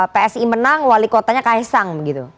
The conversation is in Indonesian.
psi menang wali kotanya ks sang